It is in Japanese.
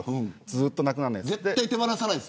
ずっとなくならないです。